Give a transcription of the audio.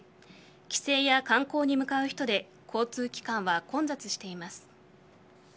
帰省や観光に向かう人で交通機関は混雑しています。